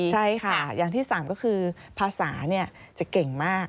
ใช่ค่ะอย่างที่๓ก็คือภาษาจะเก่งมาก